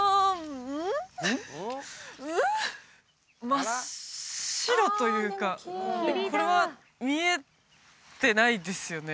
真っ白というかこれは見えてないですよね